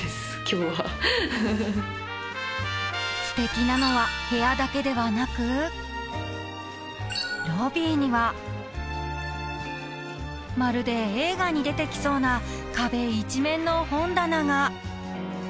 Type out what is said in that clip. ［すてきなのは部屋だけではなくロビーにはまるで映画に出てきそうな壁一面の本棚が］